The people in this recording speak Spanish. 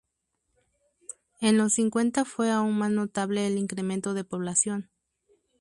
En los cincuenta fue aún más notable el incremento de población.